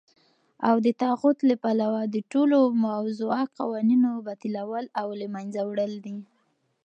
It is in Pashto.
او دطاغوت له پلوه دټولو موضوعه قوانينو باطلول او له منځه وړل دي .